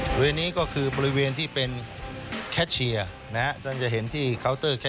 บริเวณนี้ก็คือบริเวณที่เป็นแคทเชียร์นะฮะจะเห็นที่เทะ